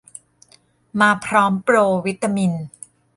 มาพร้อมโปรวิตามิน